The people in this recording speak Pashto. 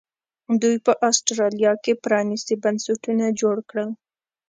دوی په اسټرالیا کې پرانیستي بنسټونه جوړ کړل.